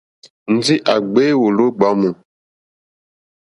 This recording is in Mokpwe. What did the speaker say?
Ndǐ à ɡbě wòló ɡbámù.